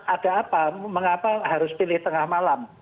ada apa mengapa harus pilih tengah malam